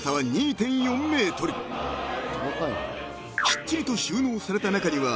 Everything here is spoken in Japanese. ［きっちりと収納された中には］